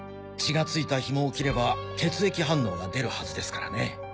血が付いたヒモを切れば血液反応が出るはずですからね。